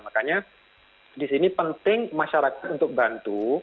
makanya di sini penting masyarakat untuk bantu